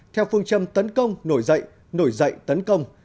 theo phương châm tấn công nổi dậy nổi dậy tấn công